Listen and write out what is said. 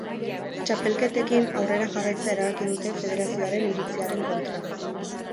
Txapelketekin aurrera jarraitzea erabaki dute federazioaren iritziaren kontra.